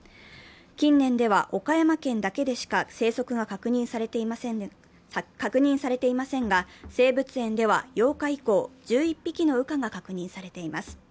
近年では岡山県だけでしか生息が確認されていませんが、生物園では８日以降、１１匹の羽化が確認されています。